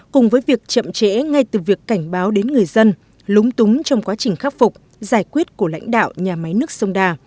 cùng với việc chậm trễ ngay từ việc cảnh báo đến người dân lúng túng trong quá trình khắc phục giải quyết của lãnh đạo nhà máy nước sông đà